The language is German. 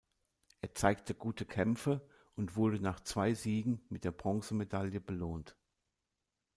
Er zeigte gute Kämpfe und wurde nach zwei Siegen mit der Bronzemedaille belohnt.